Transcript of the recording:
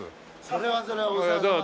それはそれは。